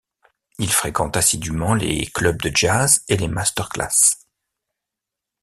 Il fréquente assidument les clubs de jazz et les master classes.